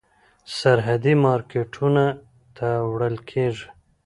سرحدي مارکېټونو ته وړل کېږي.